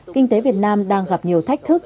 kinh tế việt nam đang gặp nhiều thách thức